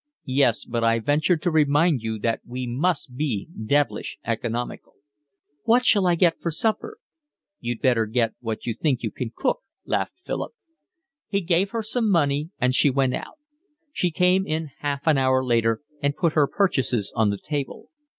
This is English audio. "Yes, but I venture to remind you that we must be devilish economical." "What shall I get for supper?" "You'd better get what you think you can cook," laughed Philip. He gave her some money and she went out. She came in half an hour later and put her purchases on the table.